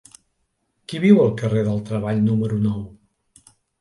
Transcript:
Qui viu al carrer del Treball número nou?